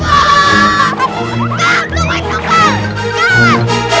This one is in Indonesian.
enggak tunggu tunggu enggak